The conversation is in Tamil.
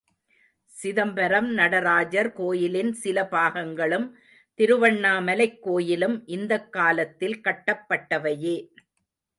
சிதம்பரம் நடராஜர் கோயிலின் சில பாகங்களும், திருவண்ணாமலைக் கோயிலும் இந்தக் காலத்தில் கட்டப்பட்டவையே.